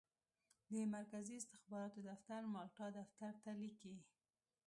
د مرکزي استخباراتو دفتر مالټا دفتر ته لیکي.